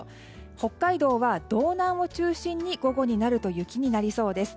北海道は道南を中心に午後になると雪になりそうです。